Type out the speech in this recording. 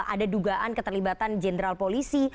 ada dugaan keterlibatan jenderal polisi